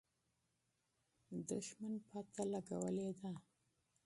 دښمن پته لګولې ده.